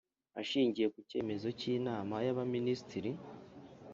Ashingiye ku cyemezo cy Inama y Abaminisitiri